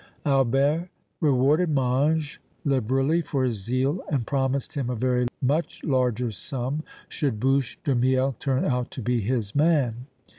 Albert rewarded Mange liberally for his zeal and promised him a very much larger sum should Bouche de Miel turn out to be his man.